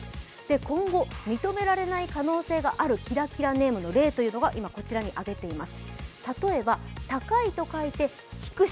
今後、認められない可能性があるキラキラネームの例が、今こちらに挙げています。